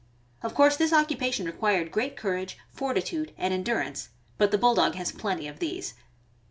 Of course this occupation required great courage, fortitude, and endur ance, but the Bulldog has plenty of these.